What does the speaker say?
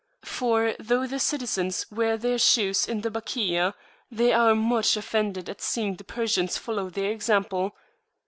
For though the citizens wear their shoes in the Bakia, they are much offended at seeing the Persians follow their example.